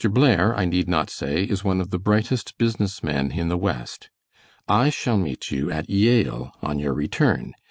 Blair, I need not say, is one of the brightest business men in the West. I shall meet you at Yale on your return.